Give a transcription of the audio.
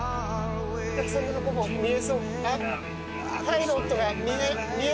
お客さんの見えそう。